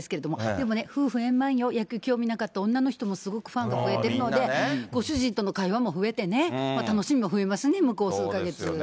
でもね、夫婦円満よ、野球興味なかった女の人もすごくファンが増えてるので、ご主人との会話も増えてね、楽しみも増えますね、向こう数か月。